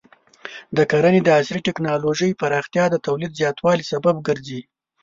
د کرنې د عصري ټکنالوژۍ پراختیا د تولید زیاتوالي سبب ګرځي.